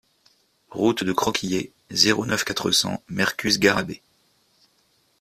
Route de Croquié, zéro neuf, quatre cents Mercus-Garrabet